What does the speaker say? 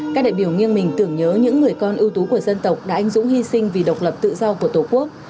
các đại biểu nghiêng mình tưởng nhớ những người con ưu tú của dân tộc đã anh dũng hy sinh vì độc lập tự do của tổ quốc